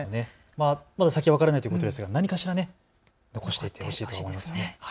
まだ先は分からないということですが何かしら残していってほしいと思いますね。